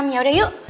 ya udah yuk